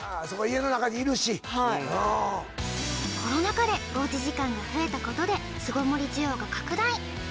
そうか家の中にいるしコロナ禍でおうち時間が増えたことで巣ごもり需要が拡大